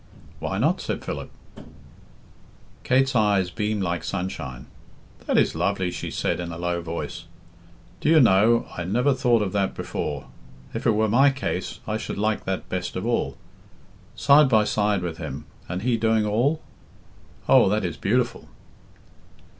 "Why not?" said Philip. Kate's eyes beamed like sunshine. "That is lovely," she said in a low voice. "Do you know, I never thought of that before! If it were my case, I should like that best of all. Side by side with him, and he doing all? Oh, that is beautiful!"